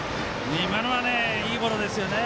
今のはいいボールです。